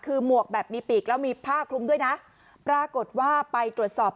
คือหมวกแบบมีปีกแล้วมีผ้าคลุมด้วยนะปรากฏว่าไปตรวจสอบ